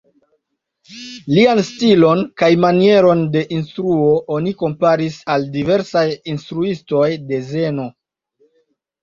Lian stilon kaj manieron de instruo oni komparis al diversaj instruistoj de zeno.